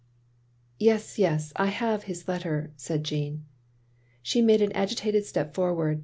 "Yes, yes — I have his letter," said Jeanne. She made an agitated step forward.